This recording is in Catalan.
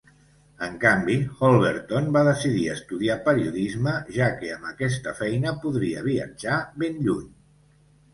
En canvi, Holberton va decidir estudiar periodisme, ja que amb aquesta feina podria viatjar ben lluny.